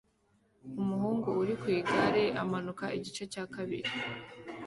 Umuhungu uri ku igare amanuka igice cya kabiri